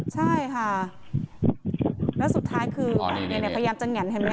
ใช่ค่ะแล้วสุดท้ายคืออ๋อนี่นี่นี่นี่พยายามจะหงันเห็นมั้ยคะ